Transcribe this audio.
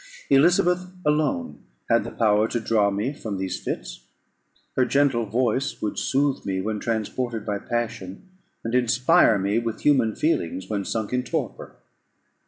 Elizabeth alone had the power to draw me from these fits; her gentle voice would soothe me when transported by passion, and inspire me with human feelings when sunk in torpor.